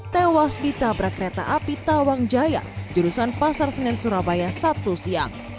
tewas ditabrak kereta api tawang jaya jurusan pasar senen surabaya sabtu siang